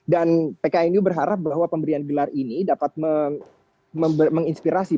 dan pknu berharap bahwa pemberian gelar ini dapat menginspirasi